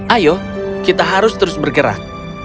ayo kita harus terus bergerak